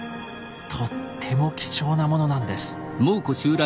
とっても貴重なものなんです。